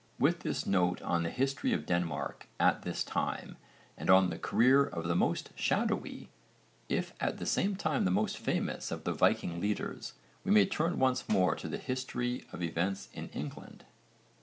With this note on the history of Denmark at this time and on the career of the most shadowy, if at the same time the most famous of the Viking leaders, we may turn once more to the history of events in England.